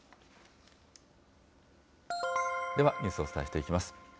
では、ニュースをお伝えしていきます。